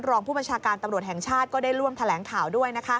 รองผู้บัญชาการตำรวจแห่งชาติก็ได้ร่วมแถลงข่าวด้วย